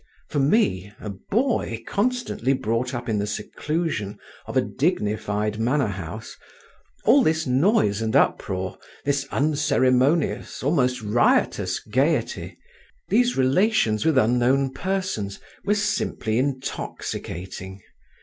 For me, a boy constantly brought up in the seclusion of a dignified manor house, all this noise and uproar, this unceremonious, almost riotous gaiety, these relations with unknown persons, were simply intoxicating.